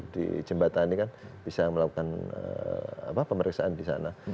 di jembatan ini kan bisa melakukan pemeriksaan di sana